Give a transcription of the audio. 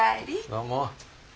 どうも。